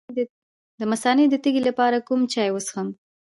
د مثانې د تیږې لپاره کوم چای وڅښم؟